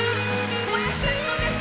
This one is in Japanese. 小林幸子です。